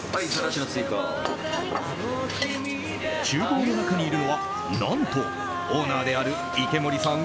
厨房の中にいるのは何とオーナーである池森さん